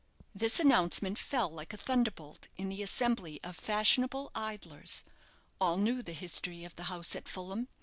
This announcement fell like a thunderbolt in the assembly of fashionable idlers. All knew the history of the house at Fulham.